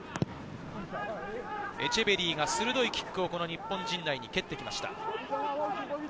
エチェベリーが鋭いキックを日本陣内に蹴ってきました。